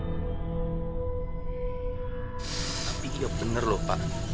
tapi iya bener loh pak